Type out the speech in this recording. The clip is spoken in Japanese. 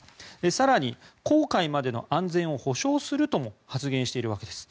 更に、公海までの安全を保証するとも発言しているわけです。